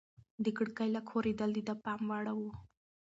د کړکۍ لږ ښورېدل د ده پام واړاوه.